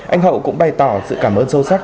anh hậu cũng bày tỏ sự cảm ơn sâu sắc